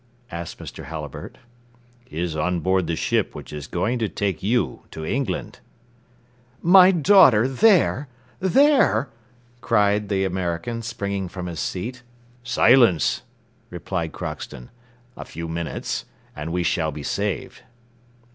asked Mr. Halliburtt. "Is on board the ship which is going to take you to England." "My daughter there! there!" cried the American, springing from his seat. "Silence!" replied Crockston, "a few minutes, and we shall be saved."